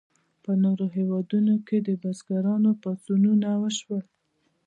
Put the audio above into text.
په نورو هیوادونو کې د بزګرانو پاڅونونه وشول.